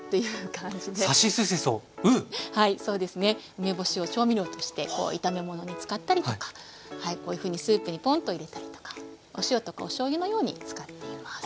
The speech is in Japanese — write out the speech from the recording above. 梅干しを調味料として炒めものに使ったりとかはいこういうふうにスープにポーンと入れたりとかお塩とかおしょうゆのように使っています。